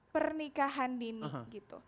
pernikahan dini gitu